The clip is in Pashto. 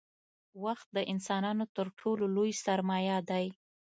• وخت د انسانانو تر ټولو لوی سرمایه دی.